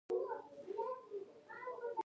لنډ او ټاکلي وخت کې سوی وای.